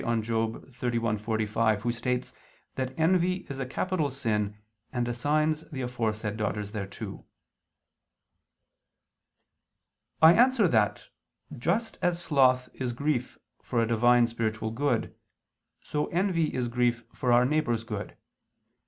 xxxi, 45) who states that envy is a capital sin and assigns the aforesaid daughters thereto. I answer that, Just as sloth is grief for a Divine spiritual good, so envy is grief for our neighbor's good.